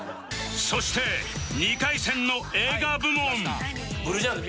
そして２回戦の映画部門